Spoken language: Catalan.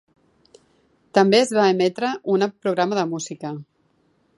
També es va emetre un programa de música.